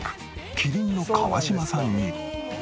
麒麟の川島さん似。